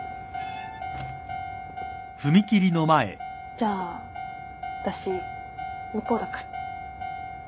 じゃあ私向こうだから。